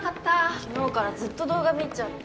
昨日からずっと動画見ちゃって。